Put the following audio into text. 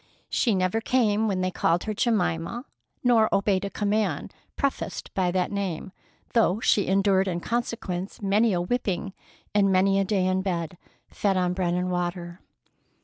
She never came when they called her Jemima, nor obeyed a command prefaced by that name, though she endured in consequence many a whipping and many a day in bed, fed on bread and water.